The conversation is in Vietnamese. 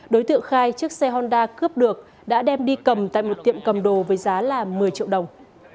đối tượng khai chiếc xe honda cướp được đã đem đi cầm tại một tiệm cầm đồ với giá là một mươi triệu đồng